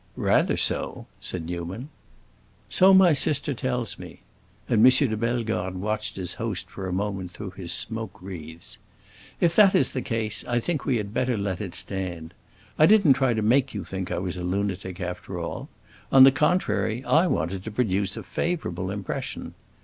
"Rather so," said Newman. "So my sister tells me." And M. de Bellegarde watched his host for a moment through his smoke wreaths. "If that is the case, I think we had better let it stand. I didn't try to make you think I was a lunatic, at all; on the contrary, I wanted to produce a favorable impression.